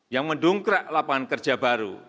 yang mendongkrak lapangan kerja baru